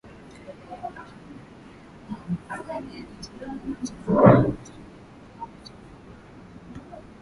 huko mashariki mwa hifadhi hiyo katika kijiji cha Loiborsoit yaani Kijiji cha Mawe Meupe